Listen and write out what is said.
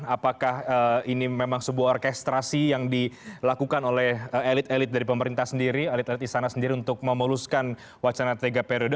apakah ini memang sebuah orkestrasi yang dilakukan oleh elit elit dari pemerintah sendiri elit elit istana sendiri untuk memuluskan wacana tiga periode